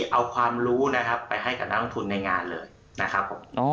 เอาความรู้นะครับไปให้กับนักลงทุนในงานเลยนะครับผม